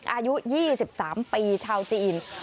อายุ๒๓ปีชาวจีน